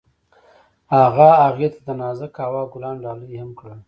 هغه هغې ته د نازک هوا ګلان ډالۍ هم کړل.